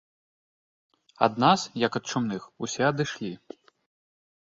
Ад нас, як ад чумных, усе адышлі.